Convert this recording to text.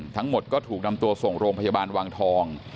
ทั้งหมดก็ถูกนำตัวส่งโรงพยาบาลวังทอง